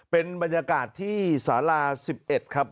เป็นบรรยากาศที่สารา๑๑ครับ